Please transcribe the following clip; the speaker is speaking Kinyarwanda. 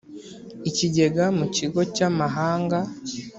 icyigenga mu kigo cy amahanga